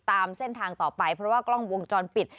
ตามเส้นทางต่อไปเพราะว่ากล้องวงจรปิด